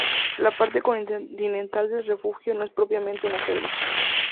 La parte continental del Refugio no es propiamente una selva.